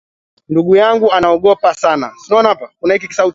Ndugu yangu anaogopa sana